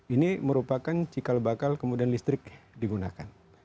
ini merupakan cikal bakal kemudian listrik digunakan